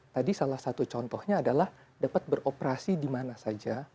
tadi salah satu contohnya adalah dapat beroperasi di mana saja